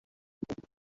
জায়গাটা একবার দেখ।